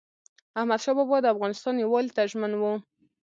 احمدشاه بابا د افغانستان یووالي ته ژمن و.